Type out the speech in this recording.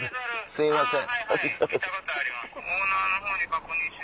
すいません。